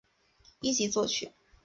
一级作曲。